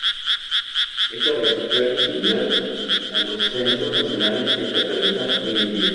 Este registro era similar a los censos nacionales que se realizan hoy en día.